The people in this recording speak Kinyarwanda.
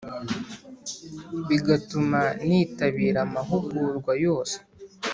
bigatuma nitabira amahugurwa yose,